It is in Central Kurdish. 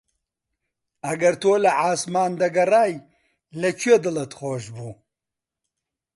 ئەگەر تۆ لە عاسمان دەگەڕای لە کوێ دڵت خۆش بوو؟